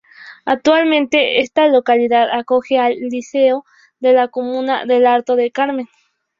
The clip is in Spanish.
Actualmente esta localidad acoge al liceo de la comuna de Alto del Carmen.